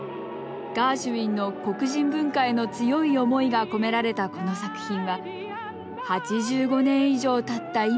ガーシュウィンの黒人文化への強い思いが込められたこの作品は８５年以上たった